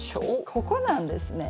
ここなんですね。